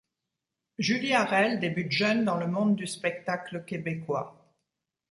Julie Arel débute jeune dans le monde du spectacle québécois.